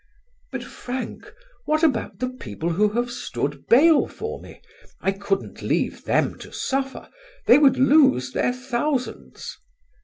"But, Frank, what about the people who have stood bail for me? I couldn't leave them to suffer; they would lose their thousands."